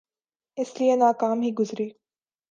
اس لئے ناکام ہی گزری۔